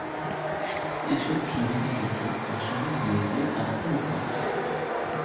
এসব সমাধিক্ষেত্র আসলে মৃতের আত্মার ঘর।